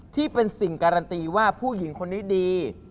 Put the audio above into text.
ที่เป็นสิ่งการันตีว่าผู้หญิงคนนี้ดี